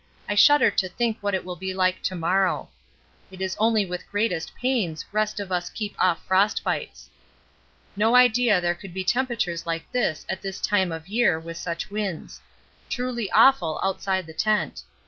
I shudder to think what it will be like to morrow. It is only with greatest pains rest of us keep off frostbites. No idea there could be temperatures like this at this time of year with such winds. Truly awful outside the tent.